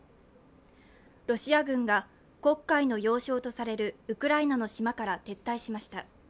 ロシア軍が黒海の要衝とされるウクライナの島から撤退しました。